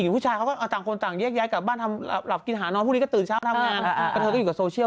กะเถอก็อยู่ว้างไม่ได้ถ้าเกิดผู้หญิงอยู่ผู้ชาย